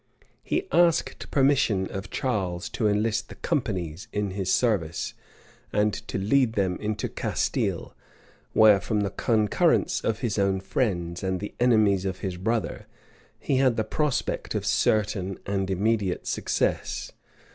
He asked permission of Charles to enlist the "companies" in his service, and to lead them into Castile; where, from the concurrence of his own friends, and the enemies of his brother, he had the prospect of certain and immediate success.